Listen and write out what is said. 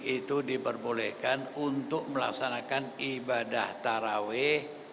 itu diperbolehkan untuk melaksanakan ibadah taraweh